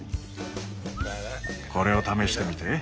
これを試してみて。